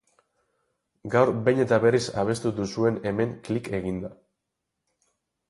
Gaur behin eta berriz abestu duzuen hemen klik eginda.